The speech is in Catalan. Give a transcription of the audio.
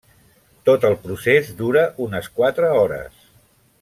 Tot el procés dura unes quatre hores.